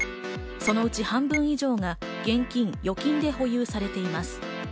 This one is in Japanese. そのうち半分以上が現金・預金で保有されています。